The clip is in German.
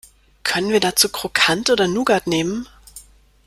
Können wir dazu Krokant oder Nougat nehmen?